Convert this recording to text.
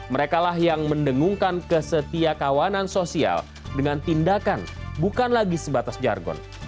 mereka lah yang mendengungkan kesetiakawanan sosial dengan tindakan bukan lagi sebatas jargon